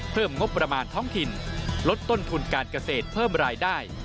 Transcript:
เพิ่มงบประมาณท้องถิ่นลดต้นทุนการเกษตรเพิ่มรายได้